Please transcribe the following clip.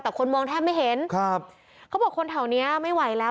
แต่คนมองแทบไม่เห็นครับเขาบอกคนแถวเนี้ยไม่ไหวแล้ว